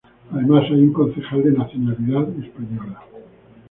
Además hay un concejal de nacionalidad española.